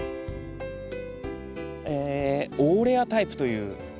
えオーレアタイプという。